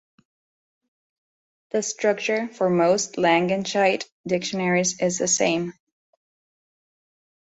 The structure for most Langenscheidt dictionaries is the same.